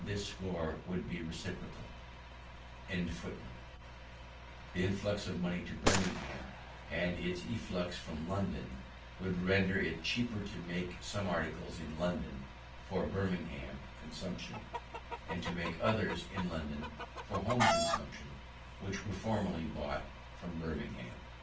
The afflux of money to Birmingham, and its efflux from London, would render it cheaper to make some articles in London for Birmingham consumption; and to make others in London for home consumption, which were formerly brought from Birmingham.